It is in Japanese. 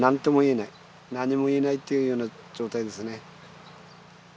何も言えないっていうような状態ですね